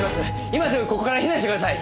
今すぐここから避難してください！